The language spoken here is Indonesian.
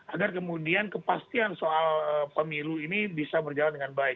agar kemudian kepastian soal pemilu ini bisa berjalan dengan baik